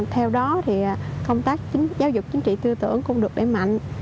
theo đó thì công tác giáo dục chính trị tư tưởng cũng được đẩy mạnh